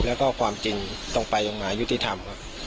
และก็ความจริงต้องไปยังไงยุติธรรมครับ